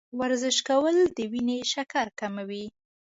ورزش کول د وینې شکر کموي.